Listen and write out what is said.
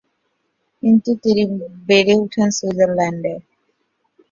কিন্তু তিনি বেড়ে ওঠেন সুইজারল্যান্ডে।